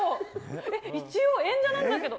え、一応演者なんだけど。